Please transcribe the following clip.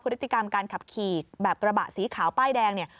พฤติกรรมการขับขี่แบบกระบะสีขาวป้ายแดงเนี่ย